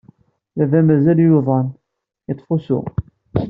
Baba mazal yuḍen, yeṭṭef usu.